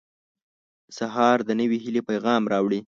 • سهار د نوې هیلې پیغام راوړي.